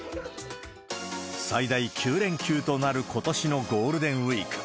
最大９連休となることしのゴールデンウィーク。